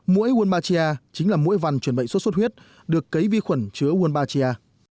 mũi wombatia chính là mũi vằn truyền bệnh sốt sốt huyết được cấy vi khuẩn chứa wombatia